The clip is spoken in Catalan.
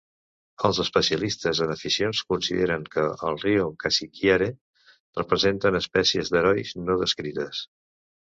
Els especialistes en aficions consideren que els "Rio Casiquiare" representen espècies d'"herois" no descrites.